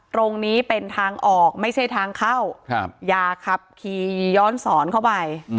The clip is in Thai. ตรงนี้เป็นทางออกไม่ใช่ทางเข้าอย่าขับขี่ย้อนสอนเข้าไป